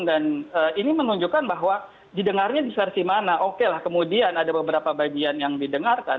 dan ini menunjukkan bahwa didengarnya di sarsi mana oke lah kemudian ada beberapa bagian yang didengarkan